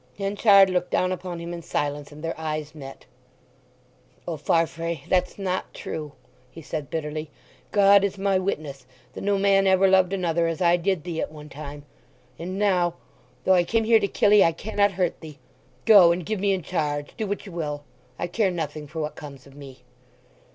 Henchard looked down upon him in silence, and their eyes met. "O Farfrae!—that's not true!" he said bitterly. "God is my witness that no man ever loved another as I did thee at one time.... And now—though I came here to kill 'ee, I cannot hurt thee! Go and give me in charge—do what you will—I care nothing for what comes of me!"